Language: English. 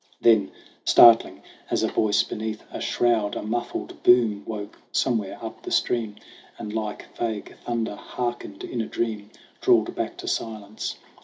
Then, startling as a voice beneath a shroud, A muffled boom woke somewhere up the stream And, like vague thunder hearkened in a dream, Drawled back to silence.